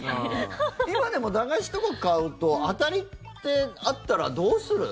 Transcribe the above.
今でも駄菓子とか買うと当たりってあったらどうする？